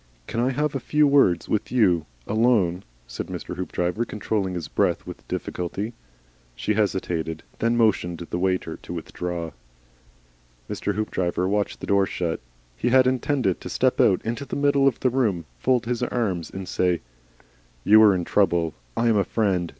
"Can I have a few words with you, alone?" said Mr. Hoopdriver, controlling his breath with difficulty. She hesitated, and then motioned the waiter to withdraw. Mr. Hoopdriver watched the door shut. He had intended to step out into the middle of the room, fold his arms and say, "You are in trouble. I am a Friend.